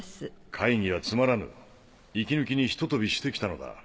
会議はつまらぬ息抜きにひと飛びして来たのだ。